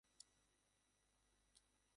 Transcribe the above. আসলেই কষ্ট লাগছে!